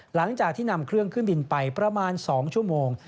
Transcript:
หลังจากที่นำเครื่องขึ้นบินไปประมาณ๒ชั่วโมง